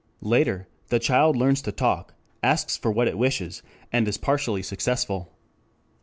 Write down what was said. Later, the child learns to talk, asks for what it wishes, and is partially successful.